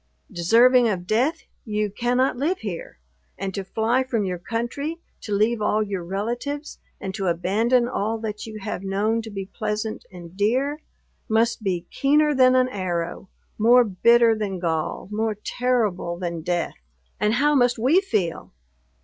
Deserving of death, you cannot live here; and to fly from your country, to leave all your relatives, and to abandon all that you have known to be pleasant and dear, must be keener than an arrow, more bitter than gall, more terrible than death! And how must we feel?